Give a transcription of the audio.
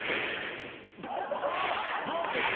ボルテック。